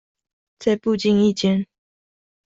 在不經意間